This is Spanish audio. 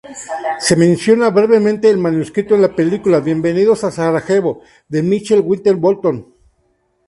Se menciona brevemente el manuscrito en la película Bienvenidos a Sarajevo de Michael Winterbottom.